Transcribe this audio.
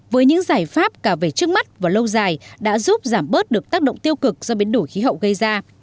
với những giải pháp cả về trước mắt và lâu dài đã giúp giảm bớt được tác động tiêu cực do biến đổi khí hậu gây ra